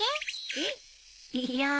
えっ？いや。